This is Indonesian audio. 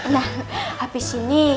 nah abis ini